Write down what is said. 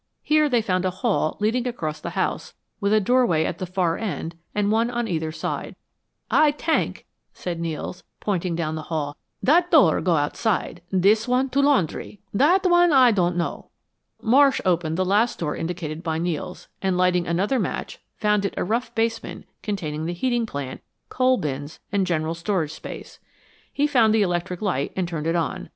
Here they found a hall leading across the house, with a doorway at the far end, and one on either side. "Aye tenk," said Nels, pointing down the hall, "dat door go outside dis one to laundry dat one Aye don't know." Marsh opened the last door indicated by Nels, and lighting another match, found it a rough basement containing the heating plant, coal bins, and general storage space. He found the electric light and turned it on.